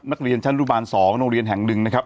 นักเรียนชั้นอนุบาล๒โรงเรียนแห่งหนึ่งนะครับ